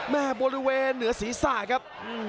แม่บลื้อเวณเหนือศีรษะครับ